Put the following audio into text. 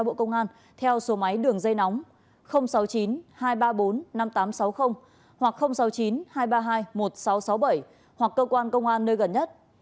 bộ công an theo số máy đường dây nóng sáu mươi chín hai trăm ba mươi bốn năm nghìn tám trăm sáu mươi hoặc sáu mươi chín hai trăm ba mươi hai một nghìn sáu trăm sáu mươi bảy hoặc cơ quan công an nơi gần nhất